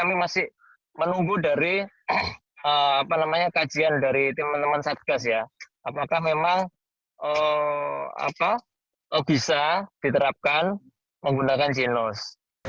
kami masih menunggu dari kajian dari teman teman satgas ya apakah memang bisa diterapkan menggunakan jinos